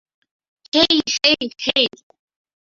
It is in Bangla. হেই, হেই, হেই।